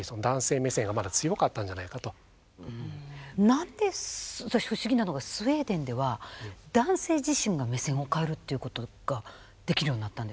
何で私不思議なのがスウェーデンでは男性自身が目線を変えるっていうことができるようになったんでしょうか。